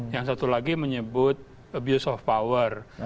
yang satu lagi menyebut abuse of power